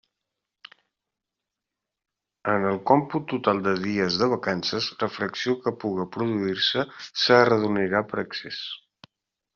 En el còmput total dels dies de vacances, la fracció que puga produir-se s'arredonirà per excés.